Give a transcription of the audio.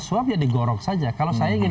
suap ya digorok saja kalau saya gini